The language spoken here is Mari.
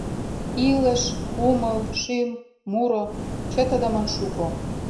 «Илыш», «кумыл», «шӱм», «муро»... — чытыдымын шуко.